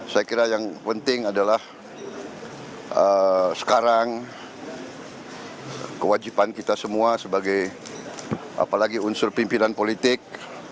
saya kira yang penting adalah sekarang kewajiban kita semua sebagai apalagi unsur pimpinan politik